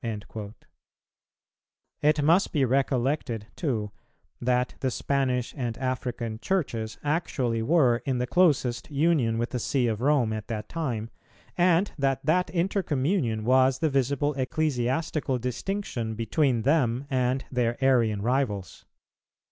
"[281:1] It must be recollected, too, that the Spanish and African Churches actually were in the closest union with the See of Rome at that time, and that that intercommunion was the visible ecclesiastical distinction between them and their Arian rivals.